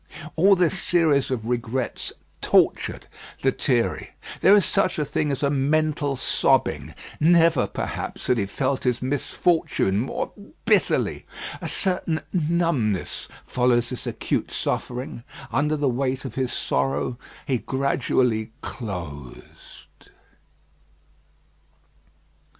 All this series of regrets tortured Lethierry. There is such a thing as a mental sobbing. Never, perhaps, had he felt his misfortune more bitterly. A certain numbness follows this acute suffering. Under the weight of his sorrow he gradually dosed.